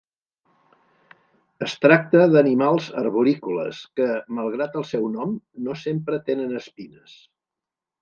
Es tracta d'animals arborícoles que, malgrat el seu nom, no sempre tenen espines.